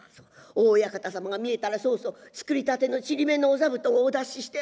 大親方様が見えたらそうそう作りたての縮緬のお座布団をお出しして。